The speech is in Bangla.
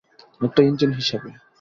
একটা ইঞ্জিন হিসাবে।